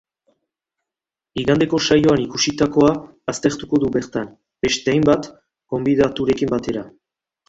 Igandeko saioan ikusitakoa aztertuko du bertan, beste hainbat gonbidaturekin batera.